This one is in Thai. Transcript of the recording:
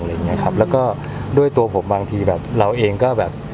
แล้วก็ด้วยตัวผมบางทีเราเองก็